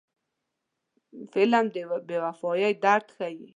فلم د بې وفایۍ درد ښيي